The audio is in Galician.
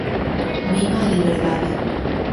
Viva a liberdade!